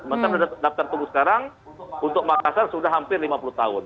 maka dapet tuguh sekarang untuk makassar sudah hampir lima puluh tahun